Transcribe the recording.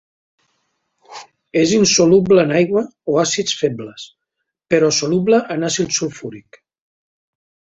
És insoluble en aigua o àcids febles, però soluble en àcid sulfúric.